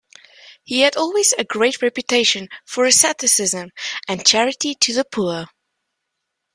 He had always a great reputation for asceticism and charity to the poor.